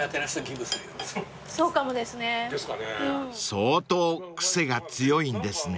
［相当癖が強いんですね］